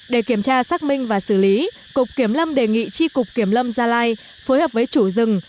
để kiểm tra xác minh và xử lý cục kiểm lâm đề nghị tri cục kiểm lâm gia lai phối hợp với chủ rừng